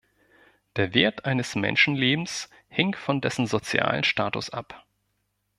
Der Wert eines Menschenlebens hing von dessen sozialen Status ab.